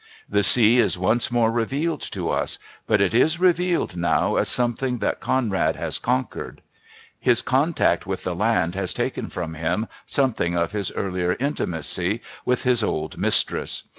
The sea is once more revealed to us, but it is revealed now as something that Conrad has conquered. His contact with the land has taken from him something of his earlier intimacy with his old mistress.